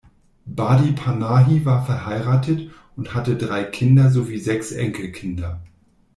Badi Panahi war verheiratet und hatte drei Kinder sowie sechs Enkelkinder.